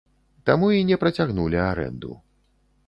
Таму і не працягнулі арэнду.